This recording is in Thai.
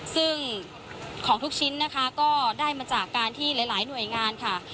ซึ่งของทุกชิ้นนะคะก็ได้มาจากการที่หลายหน่วยงานค่ะ